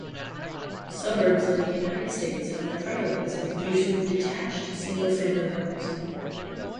Suburbs in the United States have a prevalence of usually detached single-family homes.